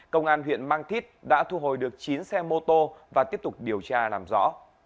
công an huyện mang thít đã thu hồi được chín xe mô tô và tiếp tục điều tra làm rõ